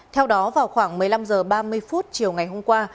theo đó vào khoảng một mươi năm h ba mươi chiều ngày hôm qua